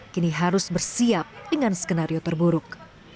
kini harus bersiap dengan skenario terburuk